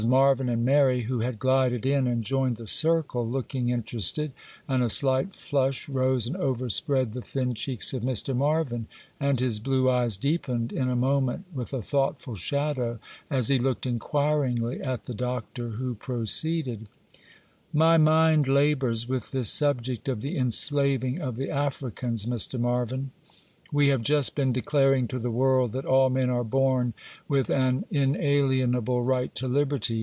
Marvyn and Mary, who had glided in and joined the circle, looking interested; and a slight flush rose and overspread the thin cheeks of Mr. Marvyn, and his blue eyes deepened in a moment with a thoughtful shadow, as he looked inquiringly at the Doctor, who proceeded:— 'My mind labours with this subject of the enslaving of the Africans, Mr. Marvyn. We have just been declaring to the world that all men are born with an inalienable right to liberty.